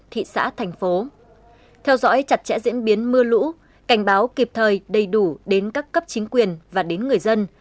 thị xã thành phố theo dõi chặt chẽ diễn biến mưa lũ cảnh báo kịp thời đầy đủ đến các cấp chính quyền và đến người dân